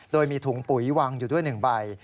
โดยมีถุงปุ๋ยวางอยู่ด้วย๑ใบ